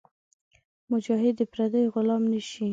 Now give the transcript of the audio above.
مجاهد د پردیو غلام نهشي.